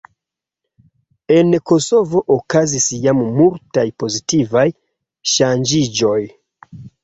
En Kosovo okazis jam multaj pozitivaj ŝanĝiĝoj.